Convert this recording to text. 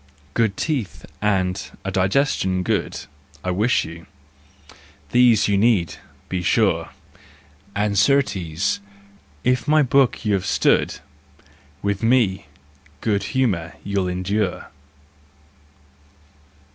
Good teeth and a digestion good I wish you—these you need, be sure! And, certes, if my book you've stood, Me with good humour you'll endure.